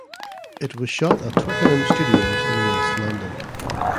It was shot at Twickenham Studios in West London.